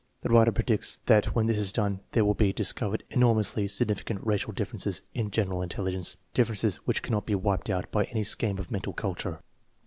The writer predicts that when this is done there will be discovered enormously sig nificant racial differences in general intelligence, differ ences which cannot be wiped out by any scheme of mental culture.